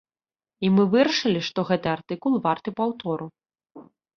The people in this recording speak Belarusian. І мы вырашылі, што гэты артыкул варты паўтору.